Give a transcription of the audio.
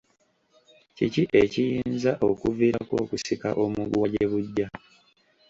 Kiki ekiyinza okuviirako okusika omuguwa gye bujja?